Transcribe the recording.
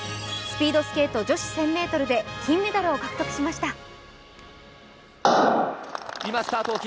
スピードスケート女子１０００ｍで金メダルを獲得しました。